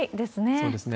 そうですね。